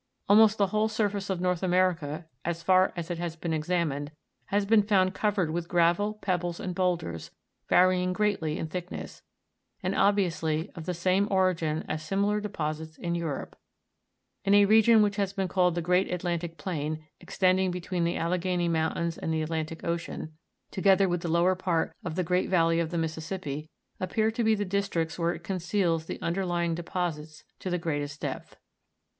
Almost the whole surface of North America, as far as it has been examined, has been found covered with gravel, pebbles, and boulders, varying greatly in thickness, and obviously of the same origin as similar deposits in Europe ; and a region which has been called the great Atlantic plain, ex tending between the Alleghany mountains and the Atlantic ocean, together with the lower part of the great valley of the Missisippi, appear to* be the districts where it conceals the underlying deposits to the greatest depth.